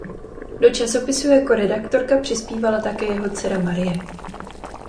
Do časopisu jako redaktorka přispívala také jeho dcera Marie.